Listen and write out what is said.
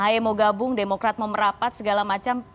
ahy mau gabung demokrat mau merapat segala macam